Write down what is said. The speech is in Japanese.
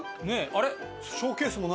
あれ？